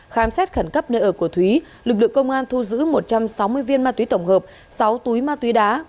khám xét khẩn cấp nơi ở của thúy lực lượng công an thu giữ một trăm sáu mươi viên ma túy tổng hợp sáu túi ma túy đá